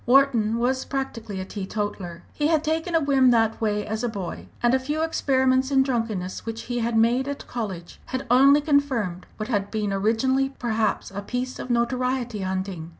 Wharton was practically a teetotaller. He had taken a whim that way as a boy, and a few experiments in drunkenness which he had made at college had only confirmed what had been originally perhaps a piece of notoriety hunting.